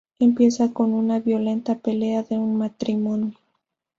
Empieza con una violenta pelea de un matrimonio.